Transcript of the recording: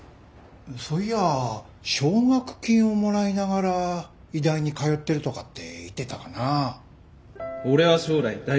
そういや奨学金をもらいながら医大に通ってるとかって言ってたかな。